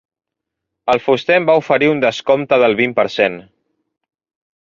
El fuster em va oferir un descompte del vint per cent.